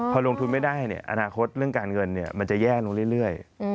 พอลงทุนไม่ได้อนาคตเรื่องการเงินมันจะแย่ลงเรื่อย